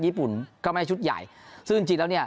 ญี่ปุ่นก็ไม่ใช่ชุดใหญ่ซึ่งจริงจริงแล้วเนี่ย